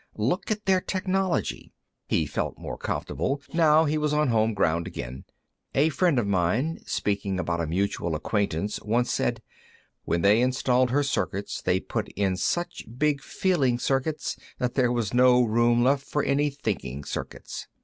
Look at their technology." He felt more comfortable, now he was on home ground again. "A friend of mine, speaking about a mutual acquaintance, once said, 'When they installed her circuits, they put in such big feeling circuits that there was no room left for any thinking circuits.'